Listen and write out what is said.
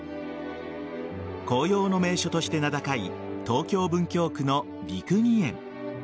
紅葉の名所として名高い東京・文京区の六義園。